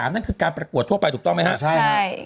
นั่นคือการประกวดทั่วไปถูกต้องไหมครับ